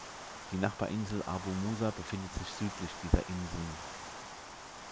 Die Nachbarinsel Abu Musa befindet sich südlich dieser Inseln.